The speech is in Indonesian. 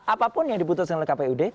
apapun yang diputuskan oleh kpud